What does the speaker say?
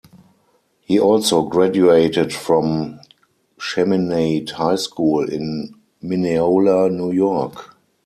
He also graduated from Chaminade High School in Mineola, New York.